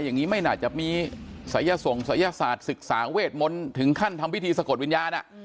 อย่างนี้ไม่น่าจะมีศัยส่งศัยศาสตร์ศึกษาเวทมนต์ถึงขั้นทำพิธีสะกดวิญญาณ